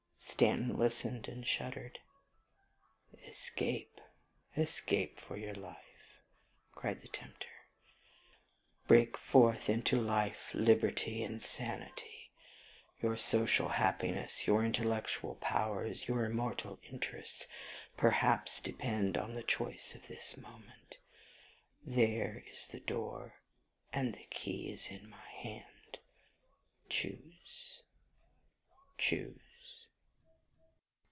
Stanton listened, and shuddered ....... "Escape escape for your life," cried the tempter; "break forth into life, liberty, and sanity. Your social happiness, your intellectual powers, your immortal interests, perhaps, depend on the choice of this moment. There is the door, and the key is in my hand. Choose choose!"